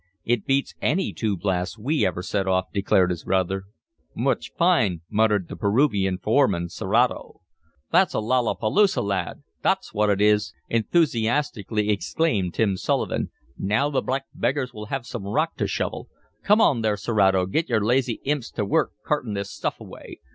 "It beats any two blasts we ever set off," declared his brother. "Much fine!" muttered the Peruvian foreman, Serato. "It's a lalapaloosa, lad! Thot's what it is!" enthusiastically exclaimed Tim Sullivan. "Now the black beggars will have some rock to shovel! Come on there, Serato, git yer lazy imps t' work cartin' this stuff away.